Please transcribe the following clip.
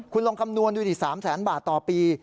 คุณลองคำนวณดูดิ๓แสนบาทต่อปี